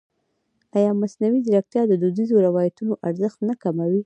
ایا مصنوعي ځیرکتیا د دودیزو روایتونو ارزښت نه کموي؟